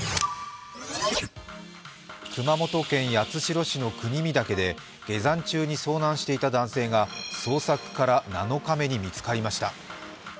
熊本県八代市の国見岳で下山中に遭難していた男性が捜索から７日目に見つかりました。